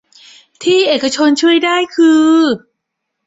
ที่เอกชนช่วยได้คือ